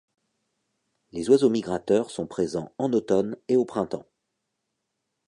Les oiseaux migrateurs sont présents en automne et au printemps.